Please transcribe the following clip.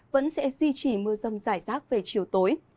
vẫn sẽ duy trì mưa rông rải rác về chiều tối